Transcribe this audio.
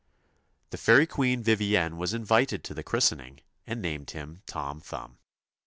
The fairy Queen Vivienne was invited to the christening, and named him Tom Thumb.